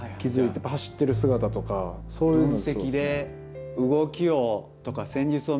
やっぱ走ってる姿とかそういうので。